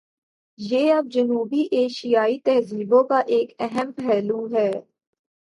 یہ اب جنوبی ایشیائی تہذیبوں کا ایک اہم پہلو ہے۔